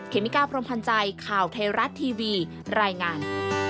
เมกาพรมพันธ์ใจข่าวไทยรัฐทีวีรายงาน